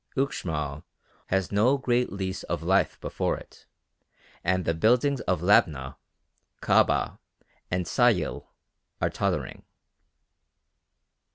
Uxmal has no great lease of life before it, and the buildings of Labna, Kabah, and Sayil are tottering.